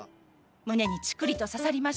胸にチクリと刺さりました。